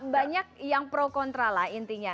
banyak yang pro kontra lah intinya